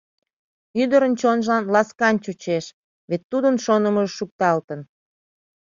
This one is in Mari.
Ӱдырын чонжылан ласкан чучеш, вет тудын шонымыжо шукталтын.